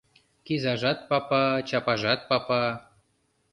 Кизажат папа, чапажат папа